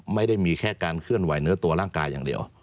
ไม่ได้มีแค่การเคลื่อนไหวเนื้อตัวร่างกายอย่างเดียว